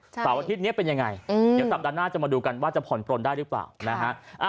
เสาร์อาทิตย์นี้เป็นยังไงเดี๋ยวสัปดาห์หน้าจะมาดูกันว่าจะผ่อนปลนได้หรือเปล่านะฮะ